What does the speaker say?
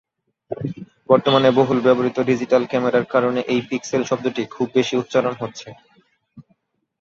বর্তমানে বহুল ব্যবহৃত ডিজিটাল ক্যামেরার কারণে এই পিক্সেল শব্দটি খুব বেশি উচ্চারন হচ্ছে।